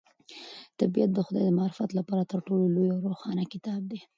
طبیعت د خدای د معرفت لپاره تر ټولو لوی او روښانه کتاب دی.